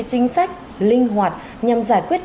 chính sách linh hoạt nhằm giải quyết